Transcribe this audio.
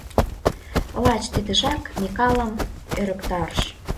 Лач тидыжак Микалым ӧрыктарыш.